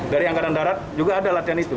dari angkatan darat juga ada latihan itu